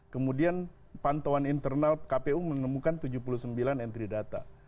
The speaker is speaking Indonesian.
kemudian pantauan internal kpu menemukan tujuh puluh sembilan entry data